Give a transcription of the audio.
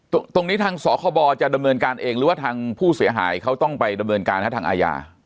ตรงนี้ทางสคบจะดำเนินการเองหรือว่าทางผู้เสียหายเขาต้องไปดำเนินการทางอาญา